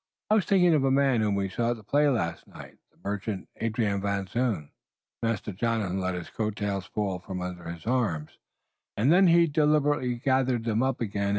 "I was thinking of a man whom we saw at the play last night, the merchant, Adrian Van Zoon." Master Jonathan let his coattails fall from under his arms, and then he deliberately gathered them up again.